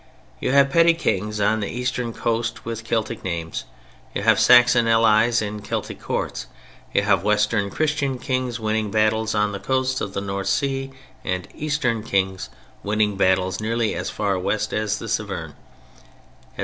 You have petty kings on the eastern coasts with Celtic names; you have Saxon allies in Celtic courts; you have Western Christian kings winning battles on the coasts of the North Sea and Eastern kings winning battles nearly as far west as the Severn, etc.